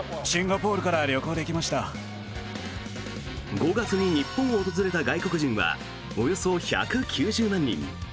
５月に日本を訪れた外国人はおよそ１９０万人。